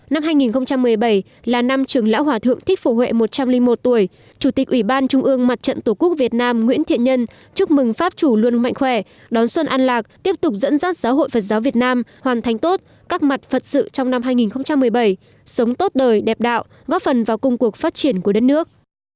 năm hai nghìn một mươi bảy là năm trường lão hòa thượng thích phổ huệ một trăm linh một tuổi chủ tịch ủy ban trung ương mặt trận tổ quốc việt nam nguyễn thiện nhân chúc mừng pháp chủ luôn mạnh khỏe đón xuân an lạc tiếp tục dẫn dắt giáo hội phật giáo việt nam hoàn thành tốt các mặt phật sự trong năm hai nghìn một mươi bảy sống tốt đời đẹp đạo góp phần vào công cuộc phát triển của đất nước